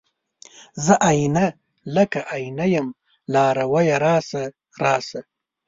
زه آئينه، لکه آئینه یم لارویه راشه، راشه